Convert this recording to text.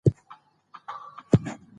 په دولتي دفترونو کې کارونه نه ځنډیږي.